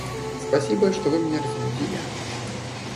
Спасибо, что вы меня разбудили...